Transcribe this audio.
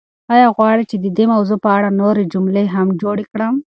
ایا غواړئ چې د دې موضوع په اړه نورې جملې هم جوړې کړم؟